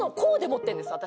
私。